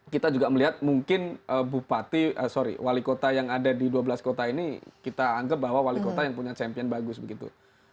kita juga melihat mungkin bupati sorry wali kota yang ada di dua belas kota ini kita anggap bahwa wali kota yang punya champion bagus begitu